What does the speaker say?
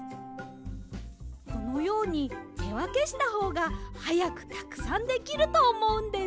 このようにてわけしたほうがはやくたくさんできるとおもうんです。